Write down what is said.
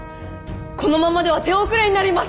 このままでは手遅れになります！